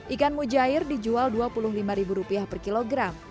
ikan mujair dijual rp dua puluh lima per kilogram